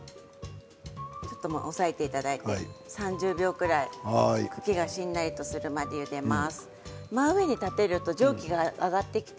少し押さえていただいて３０秒くらい茎がしんなりとするまでゆでます。